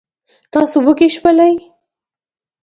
تاسې وږي شولئ.